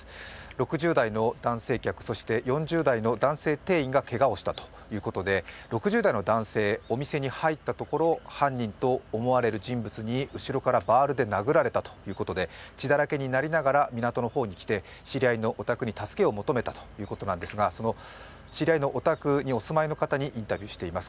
６０代の男性客、４０代の男性店員がけがをしたということで６０代の男性、お店に入ったところで犯人と思われる人物に後ろからバールで殴られたということで、血だらけになりながら港の方に来て知り合いのお宅に助けを求めたということですが、その知り合いの方にインタビューしています。